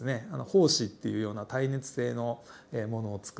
胞子っていうような耐熱性のものをつくったり。